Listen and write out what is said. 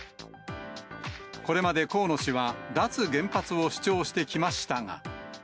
これまで河野氏は脱原発を主張してきましたが。